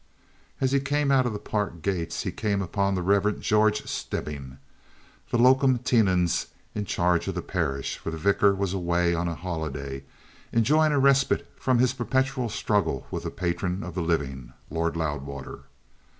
As he came out of the park gates he came upon the Rev. George Stebbing, the locum tenens in charge of the parish, for the vicar was away on a holiday, enjoying a respite from his perpetual struggle with the patron of the living, Lord Loudwater.